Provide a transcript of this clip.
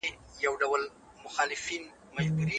ډيجيټلي سيستمونه د معلوماتو خوندي ساتنه او تنظيم اسانه کوي.